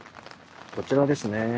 こちらですね。